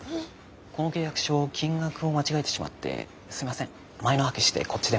この契約書金額を間違えてしまってすいません前の破棄してこっちでもう一度ハンコもらっても。